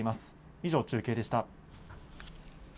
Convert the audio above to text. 以上、中継でした。